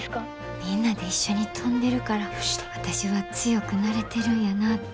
みんなで一緒に飛んでるから私は強くなれてるんやなって。